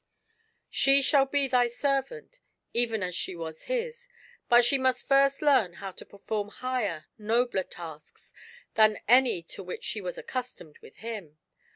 She shall be thy servant, even as she was his ; but she must first learn how to perform higher, nobler tasks than any to which she was accustomed with him.